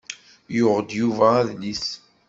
Yuɣ-d Yuba adlis.